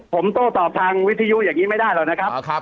ผมโต้ตอบทางวิทยุอย่างนี้ไม่ได้หรอกนะครับ